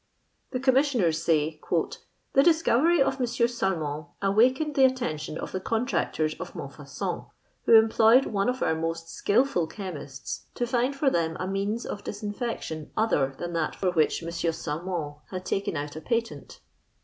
The Commissioners say, " The discovery of M. Salmon awakened the attention of the contractoi*3 of M<mlfuucon, who employed one of oiu: most skilful chemists to find for them a means of disinfection other than that for which ^r. Salmon had taken out a patent.